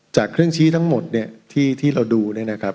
จากเครื่องชี้ทั้งหมดเนี่ยที่เราดูเนี่ยนะครับ